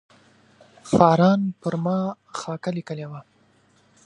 فاران پر ما خاکه لیکلې وه.